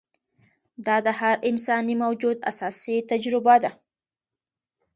دا د هر انساني موجود اساسي تجربه ده.